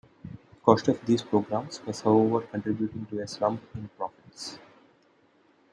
The cost of these programmes was however contributing to a slump in profits.